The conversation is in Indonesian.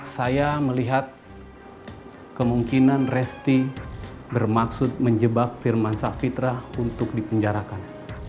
saya melihat kemungkinan resti bermaksud menjebak firman safitra untuk dipenjarakan